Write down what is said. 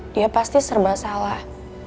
dia pasti serba salah